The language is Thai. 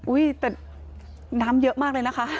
แต่น้ำเยอะมากเลยนะคะ